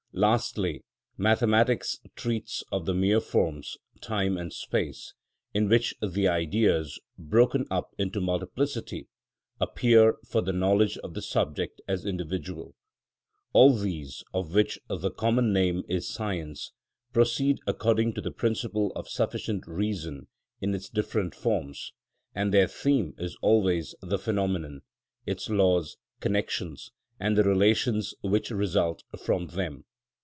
Lastly, mathematics treats of the mere forms, time and space, in which the Ideas, broken up into multiplicity, appear for the knowledge of the subject as individual. All these, of which the common name is science, proceed according to the principle of sufficient reason in its different forms, and their theme is always the phenomenon, its laws, connections, and the relations which result from them.